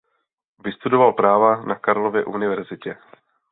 Vystudoval práva na Karlově univerzitě.